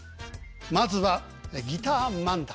まずはギター漫談。